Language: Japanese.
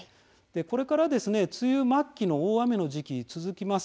これから梅雨末期の大雨の時期が続きます。